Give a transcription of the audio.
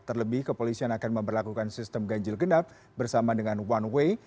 terlebih kepolisian akan memperlakukan sistem ganjil genap bersama dengan one way